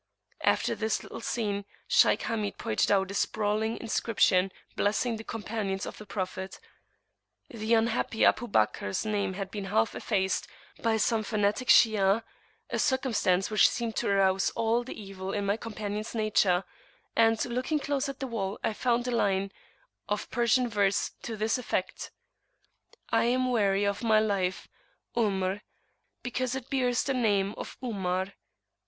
After this little scene, Shaykh Hamid pointed out a sprawling inscription blessing the Companions of the Prophet. The unhappy Abu Bakr's name had been half effaced by some fanatic Shi'ah, a circumstance which seemed to arouse all the evil in my companion's nature; and, looking close at the wall I found a line of Persian verse to this effect: "I am weary of my life (Umr), because it bears the name of Umar."